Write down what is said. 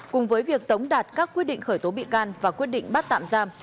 cùng với việc tống đạt các quyết định khởi tố bị can và quyết định bắt tạm giam